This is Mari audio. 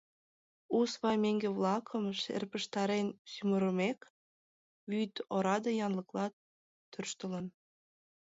У свай меҥге-влакым шырпештарен сӱмырымек, вӱд ораде янлыкла тӧрштылын.